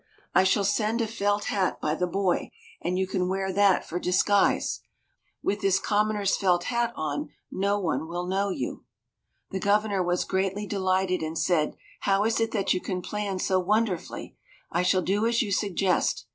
I shall send a felt hat by the boy, and you can wear that for disguise. With this commoner's felt hat on no one will know you." The Governor was greatly delighted, and said, "How is it that you can plan so wonderfully? I shall do as you suggest.